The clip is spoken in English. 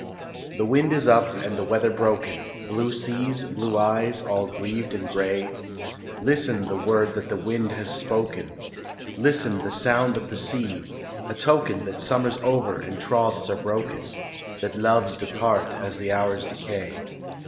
The wind is up, and the weather broken, Blue seas, blue eyes, are grieved and grey, Listen, the word that the wind has spoken, Listen, the sound of the sea,—a token That summer's over, and troths are broken,— That loves depart as the hours decay.